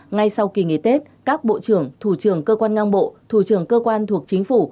ngay sau kỳ nghỉ tết các bộ trưởng thủ trưởng cơ quan ngang bộ thủ trưởng cơ quan thuộc chính phủ